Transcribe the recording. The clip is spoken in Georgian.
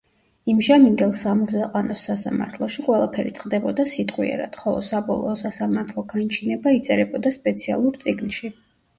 იმჟამინდელ სამურზაყანოს სასამართლოში ყველაფერი წყდებოდა სიტყვიერად, ხოლო საბოლოო სასამართლო განჩინება იწერებოდა სპეციალურ წიგნში.